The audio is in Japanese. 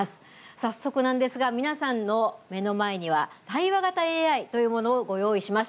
早速なんですが皆さんの目の前には対話型ＡＩというものをご用意しました。